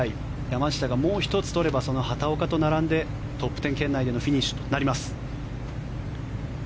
山下がもう１つ取ればその畑岡と並んでトップ１０圏内でのフィニッシュとなります。